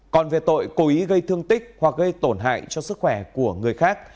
còn về tội cố ý gây thương tích hoặc gây tổn hại cho sức khỏe của người khác